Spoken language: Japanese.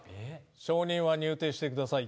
証人は入廷してください。